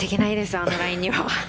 あのライには。